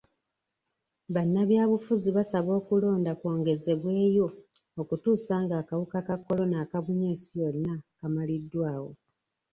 Bannabyabufuzi basaba okulonda kwongezebweyo okutuusa nga akawuka ka kolona akabunye ensi yonna kamaliddwawo.